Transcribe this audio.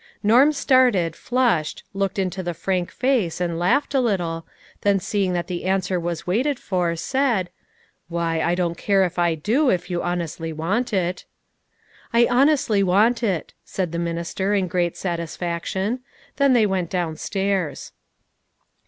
Norm started, flushed, looked into the frank face and laughed a little, then seeing that the answer was waited for said :" Why, I don't care if I do, if you honestly want it." " I honestly want it," said the minister in great satisfaction. Then they went downstairs.